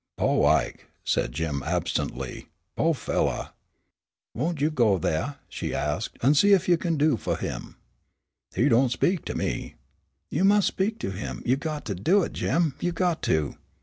"Po' Ike," said Jim absently; "po' fellah!" "Won't you go thaih," she asked, "an' see what you kin do fu' him?" "He don't speak to me." "You mus' speak to him; you got to do it, Jim; you got to."